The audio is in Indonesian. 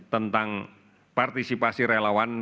tentang partisipasi relawan